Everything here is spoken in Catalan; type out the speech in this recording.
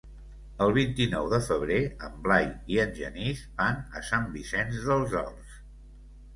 El vint-i-nou de febrer en Blai i en Genís van a Sant Vicenç dels Horts.